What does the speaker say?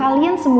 adi dan rifki